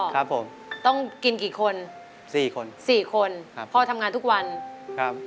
ครับผมต้องกินกี่คนสี่คนสี่คนครับพ่อทำงานทุกวันครับ